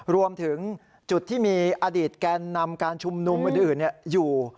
รวมถึงจุดที่มีอดีตแกนนำการชุมนุมอื่นอยู่